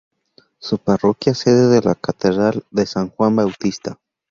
Su parroquia sede es la Catedral de San Juan Bautista.